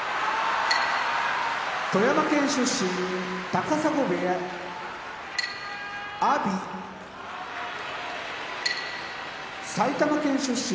富山県出身高砂部屋阿炎埼玉県出身